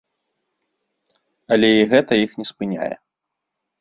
Але і гэта іх не спыняе.